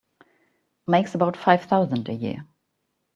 Makes about five thousand a year.